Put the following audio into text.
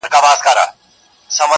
• هر سړی به مستقیم پر لاري تللای -